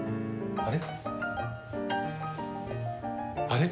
あれ？